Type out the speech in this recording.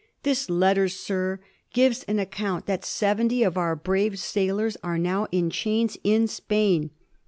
This letter, sir, gives an account that seventy of our brave sailors are now in chains in Spain.